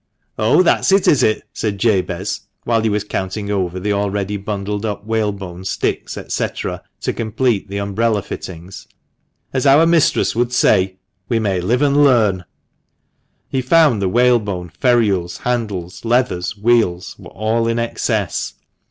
"Oh, that's it, is it?" said Jabez, whilst he was counting over the already bundled up whalebone, sticks, &c., to complete the umbrella fittings. "As our mistress would say, 'We may live and learn.' " He found the whalebone, ferrules, handles, leathers, wheels, were all in excess.